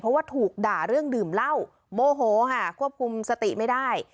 เพราะว่าถูกด่าเรื่องดื่มเหล้าโมโหค่ะควบคุมสติไม่ได้